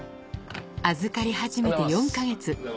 預かり始めて４か月。